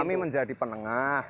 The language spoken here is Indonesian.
kami menjadi penengah